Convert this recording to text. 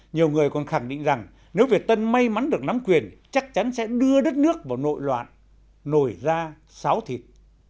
nhiều người còn khẳng định rằng nếu việt tân may mắn được nắm quyền chắc chắn sẽ đưa đất nước vào nội loạn nổi ra sáo thịt